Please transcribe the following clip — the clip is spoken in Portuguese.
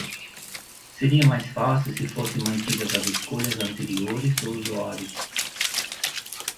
Seria mais fácil se fossem mantidas as escolhas anteriores do usuário.